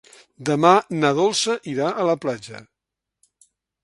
Demà na Dolça irà a la platja.